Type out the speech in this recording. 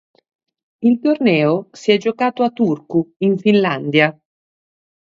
Il torneo si è giocato a Turku in Finlandia.